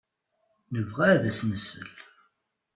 Nebɣa ad as-nsel.